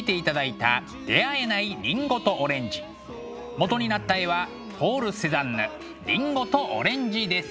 もとになった絵はポール・セザンヌ「りんごとオレンジ」です。